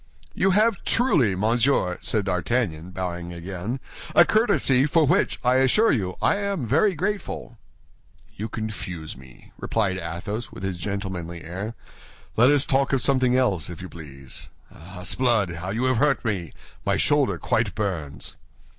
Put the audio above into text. "You have truly, monsieur," said D'Artagnan, bowing again, "a courtesy, for which, I assure you, I am very grateful." "You confuse me," replied Athos, with his gentlemanly air; "let us talk of something else, if you please. Ah, s'blood, how you have hurt me! My shoulder quite burns."